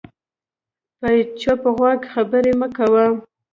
په چپ غوږ خبرې مه کوه